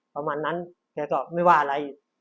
ประมาณนั้นแกก็ไม่ว่าอะไร